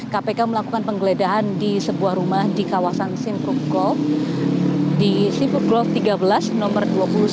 kpk melakukan penggeledahan di sebuah rumah di kawasan simprukol di sipur golf tiga belas nomor dua puluh sembilan